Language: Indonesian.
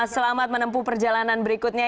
selamat menempuh perjalanan berikutnya